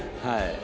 はい。